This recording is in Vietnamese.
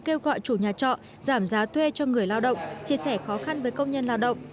kêu gọi chủ nhà trọ giảm giá thuê cho người lao động chia sẻ khó khăn với công nhân lao động